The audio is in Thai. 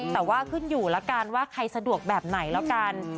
แต่ว่าขึ้นอยู่แล้วกันว่าใครสะดวกแบบไหนแล้วกัน